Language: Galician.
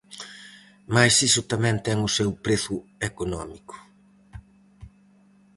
Mais iso tamén ten o seu prezo económico.